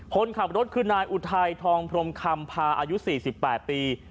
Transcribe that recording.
คนขับรถคือนายอุทัยทองพรมคำพาอายุ๔๘ปี